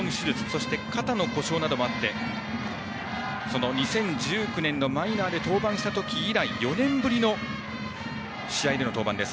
そして肩の故障などもありその２０１９年のマイナーで登板した時以来４年ぶりの、試合での登板です。